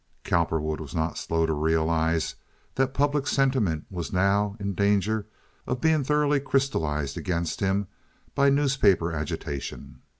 Cowperwood was not slow to realize that public sentiment was now in danger of being thoroughly crystallized against him by newspaper agitation.